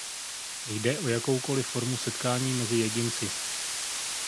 Jde o jakoukoli formu setkání mezi jedinci.